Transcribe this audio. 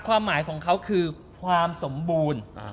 ความหมายของเขาคือความสมบูรณ์